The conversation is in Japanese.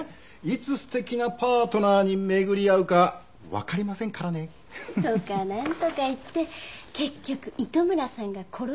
いつ素敵なパートナーに巡り合うかわかりませんからね。とかなんとか言って結局糸村さんが転がり込んだりして。